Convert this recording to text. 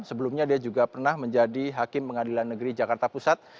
sebelumnya dia juga pernah menjadi hakim pengadilan negeri jakarta pusat